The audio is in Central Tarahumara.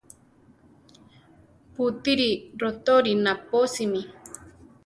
Pútiri rotorí naposimi.